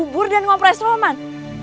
bubur dan ngopres roman